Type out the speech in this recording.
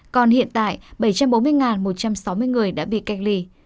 còn hiện tại bảy trăm bốn mươi một trăm sáu mươi người đã bị cách ly